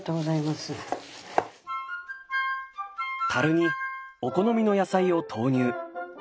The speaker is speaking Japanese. にお好みの野菜を投入。